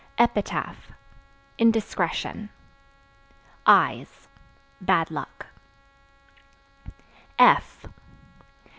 Epitaph Indiscretion. Eyes Bad luck.